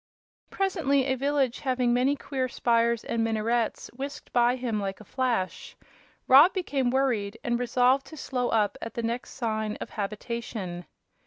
Presently a village having many queer spires and minarets whisked by him like a flash. Rob became worried, and resolved to slow up at the next sign of habitation.